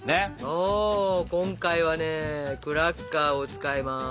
お今回はねクラッカーを使います。